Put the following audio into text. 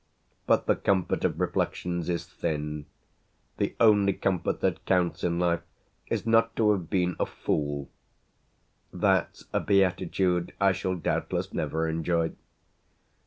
But the comfort of reflections is thin: the only comfort that counts in life is not to have been a fool. That's a beatitude I shall doubtless never enjoy.